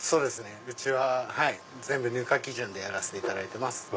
うちは全部ぬか基準でやらせていただいてます。